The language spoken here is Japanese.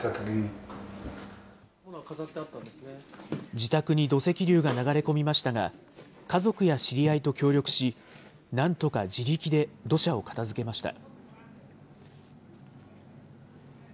自宅に土石流が流れ込みましたが、家族や知り合いと協力し、なんとか自力で土砂を片づけました。